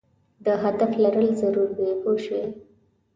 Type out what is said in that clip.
د هدف لرل ضرور دي پوه شوې!.